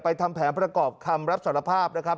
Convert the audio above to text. ทำแผนประกอบคำรับสารภาพนะครับ